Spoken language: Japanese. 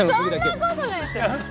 そんなことないですよ！